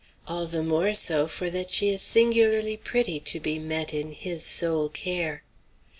All the more so for that she is singularly pretty to be met in his sole care.